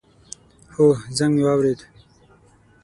هو، زنګ می واورېد